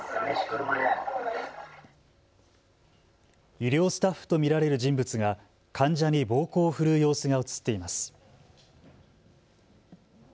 医療スタッフと見られる人物が患者に暴行を振るう様子が写っています。